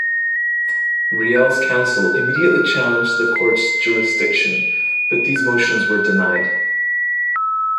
Riel's counsel immediately challenged the court's jurisdiction, but these motions were denied.